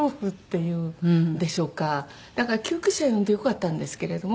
だから救急車呼んでよかったんですけれども。